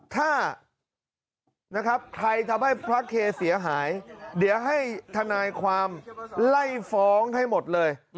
ถ้านะครับใครทำให้พระเคเสียหายเดี๋ยวให้ทนายความไล่ฟ้องให้หมดเลย